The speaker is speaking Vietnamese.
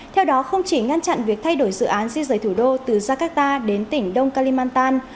theo đó không chỉ ngăn chặn việc thay đổi dự án di rời thủ đô từ jakarta đến tỉnh đông kalimantan